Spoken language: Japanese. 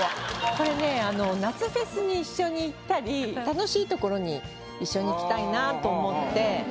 これね夏フェスに一緒に行ったり楽しいところに一緒に行きたいなと思って。